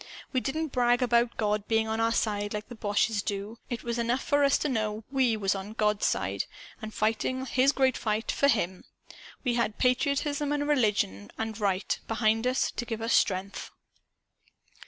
We didn't brag about God being on our side, like the boches do. It was enough for us to know WE was on GOD'S side and fighting His great fight for Him. We had patriotism and religion and Right, behind us, to give us strength.